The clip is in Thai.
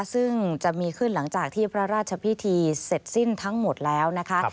ซึ่งจะมีขึ้นหลังจากที่พระราชพิธีเสร็จสิ้นทั้งหมดแล้วนะคะ